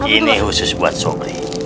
ini khusus buat sobri